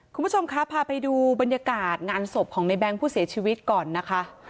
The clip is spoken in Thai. คุณผู้ชมคะพาไปดูบรรยากาศงานศพของในแง๊งผู้เสียชีวิตก่อนนะคะ